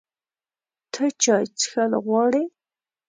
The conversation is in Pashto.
ته چای څښل غواړې؟